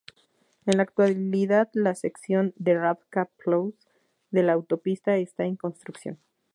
En la actualidad la sección de Ravča–Ploče de la autopista está en construcción.